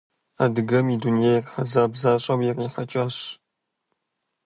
Адыгэм и дунейр хьэзаб защӀэу ирихьэкӀащ.